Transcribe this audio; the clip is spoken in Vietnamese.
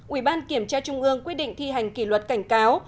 ubnd quyết định thi hành kỷ luật cảnh cáo